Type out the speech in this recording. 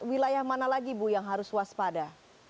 wilayah mana lagi bu yang harus waspada